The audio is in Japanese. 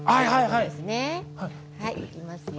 はいいきますよ。